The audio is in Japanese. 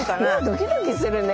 ドキドキするね。